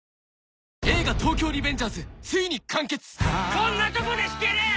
「こんなとこで引けねえ！」